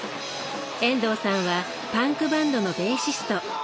遠藤さんはパンクバンドのベーシスト。